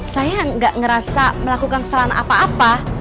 saya gak ngerasa melakukan kesalahan apa apa